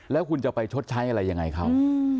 แล้วคุณจะไปชดใช้อะไรยังไงเขา